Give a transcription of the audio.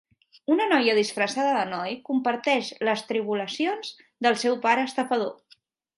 Una noia disfressada de noi comparteix les tribulacions del seu pare estafador.